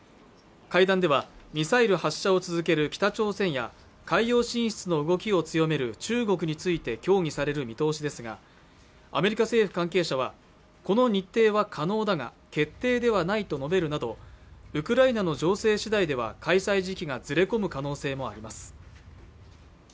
会談ではミサイル発射を続ける北朝鮮や海洋進出の動きを強める中国について協議される見通しですがアメリカ政府関係者はこの日程は可能だが決定ではないと述べるなどウクライナの情勢次第では開催時期がずれ込む可能性もあります